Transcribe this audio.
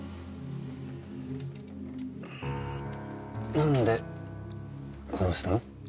何で殺したの？